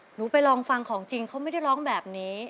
หนูไปลองฟังของจริงเขาไม่ได้ร้องแบบนี้